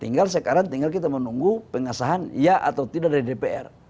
tinggal sekarang tinggal kita menunggu pengesahan ya atau tidak dari dpr